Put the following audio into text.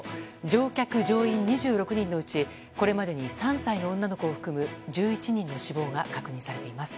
乗客・乗員２６人のうちこれまでに３歳の女の子を含む１１人の死亡が確認されています。